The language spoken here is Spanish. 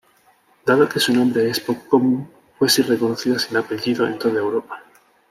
Dado que su nombre es poco común, fue reconocida sin apellido en toda Europa.